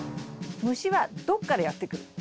虫はどこからやって来る？